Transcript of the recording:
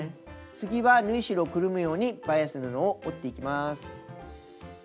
次は縫い代をくるむようにバイアス布を折っていきます。